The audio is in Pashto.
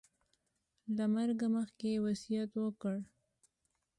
له مرګه مخکې یې وصیت وکړ.